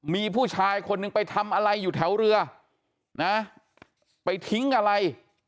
มีผู้ชายคนหนึ่งไปทำอะไรอยู่แถวเรือนะไปทิ้งอะไร